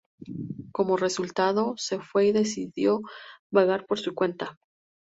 Como resultado, se fue y decidió vagar por su cuenta.